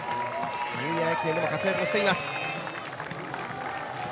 ニューイヤー駅伝も活躍をしています。